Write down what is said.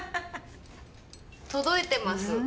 届いてます。